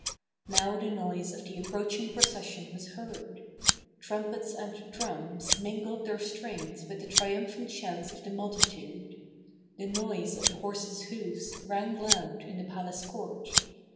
Now the noise of the approaching procession was heard; trumpets and drums mingled their strains with the triumphant shouts of the multi tude ; the noise of the horses' hoofs rang loud in the palace court.